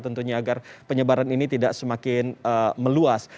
tentunya agar penyebaran ini tidak semakin meluas